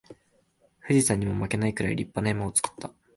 富士山にも負けないくらい立派な山を作った